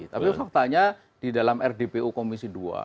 tapi faktanya di dalam rdpu komisi dua